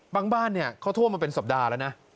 บางบ้านเขาท่วมมาเป็นสัปดาห์แล้วนะ